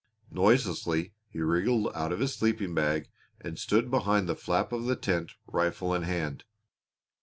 Noiselessly he wriggled out of his sleeping bag and stood behind the flap of the tent, rifle in hand.